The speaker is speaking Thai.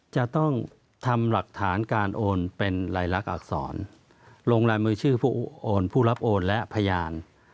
จะต้องทำหลักฐานการโอนเป็นลายลักษณอักษรลงลายมือชื่อผู้โอนผู้รับโอนและพยาน